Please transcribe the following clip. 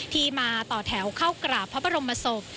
ที่มาต่อแถวเข้ากราบพระบรมศพ